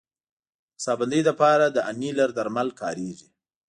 د ساه بندۍ لپاره د انیلر درمل کارېږي.